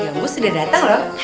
ustadz gambus sudah datang loh